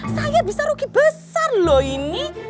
saya bisa ruki besar loh ini